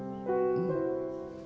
うん。